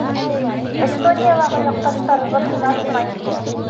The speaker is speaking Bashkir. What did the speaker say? Эстониялағы яҡташтарыбыҙ һынатмай